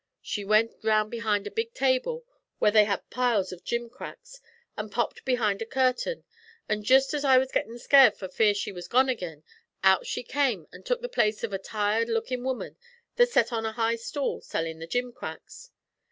She went round behind a big table, where they had piles o' jimcracks, an' popped behind a curtain, an' jest as I was gittin' scared for fear she wuz gone agi'n, out she come an' took the place of a tired lookin' woman that set on a high stool sellin' the jimcracks.